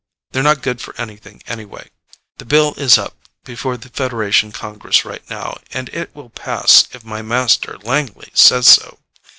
They're not good for anything anyway. The bill is up before the Federation Congress right now. And it will pass if my master, Langley says so."